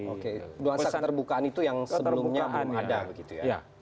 oke dua saat terbukaan itu yang sebelumnya belum ada begitu ya